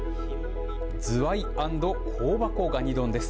ズワイ＆香箱蟹丼です。